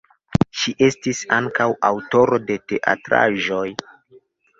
Ŝi estis ankaŭ aŭtoro de teatraĵoj.